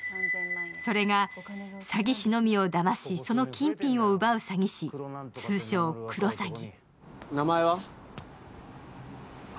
それが詐欺師をだまし、その金品を奪う詐欺師、通称・クロサギ。